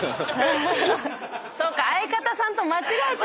そうか。